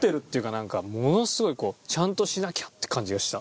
なんかものすごいこう「ちゃんとしなきゃ」って感じがした。